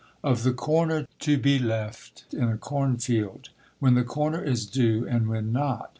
Of the corner to be left in a corn field. When the corner is due and when not.